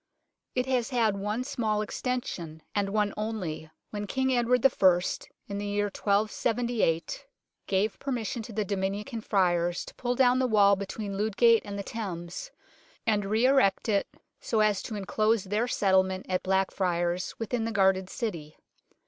It has had one small extension, and one only, when King Edward I. in the year 1278 gave permission to 32 UNKNOWN LONDON the Dominican Friars to pull down the wall between Ludgate and the Thames, and re erect it so as to enclose their settlement at Blackfriars within the guarded city.